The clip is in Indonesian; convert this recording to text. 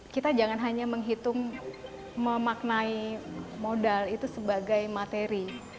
kita jangan hanya menghitung memaknai modal itu sebagai materi